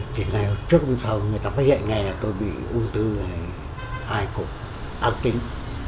thì ngày trước hôm sau người ta phát hiện ngày là tôi bị u bốn hai cục tác kính